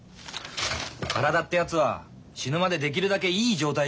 体ってやつは死ぬまでできるだけいい状態にしておくべきでさ